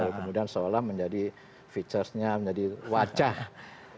kemudian seolah menjadi featuresnya menjadi wajah